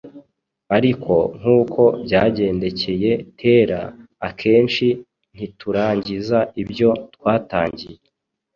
Ariko nk’uko byagendekeye Tera, akenshi ntiturangiza ibyo twatangiye